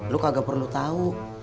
lu kagak perlu tau